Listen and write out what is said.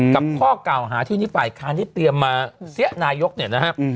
กับข้อเก่าหาที่นิษฐ์ฝ่ายคารที่เตรียมมาเสียนายกเนี่ยนะครับ